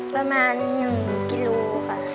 ประมาณ๑กิโลกรัมค่ะ